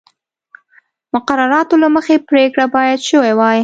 مقرراتو له مخې پرېکړه باید شوې وای